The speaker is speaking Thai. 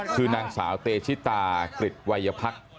คือนางสาวเตชิตากริจวัยพักษ์